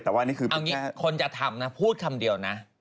เอางี้คนจะทำนะพูดคำเดียวนะ